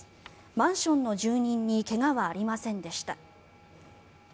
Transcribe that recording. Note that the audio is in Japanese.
マンションの住人に怪我はありませんでした。